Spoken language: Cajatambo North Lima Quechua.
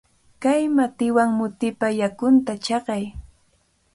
Kay matiwan mutipa yakunta chaqay.